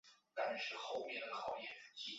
因治所在宛而得名。